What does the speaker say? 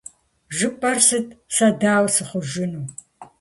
ЖыпӀэр сыт? Сэ дауэ сыхъужыну?